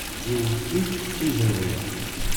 Yewwet-it s ujenwi.